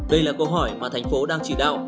đây là câu hỏi mà tp hcm đang chỉ đạo